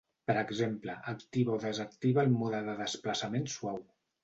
Per exemple, activa o desactiva el mode de desplaçament suau.